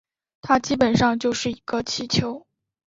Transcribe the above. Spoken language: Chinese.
它基本上就是一个气球